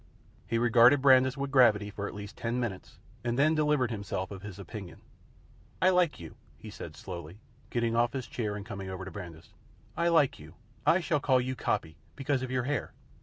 He regarded Brandis with gravity for at least ten minutes, and then delivered himself of his opinion. "I like you," said he, slowly, getting off his chair and coming over to Brandis. "I like you. I shall call you Coppy, because of your hair.